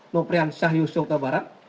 noprian syah yusyok tabarat